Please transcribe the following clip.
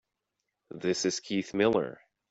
This is Keith Miller.